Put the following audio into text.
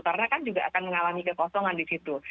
karena kan juga akan mengalami kekosongan di situ